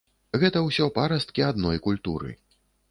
Гэта ўсё парасткі адной культуры.